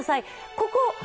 ここ！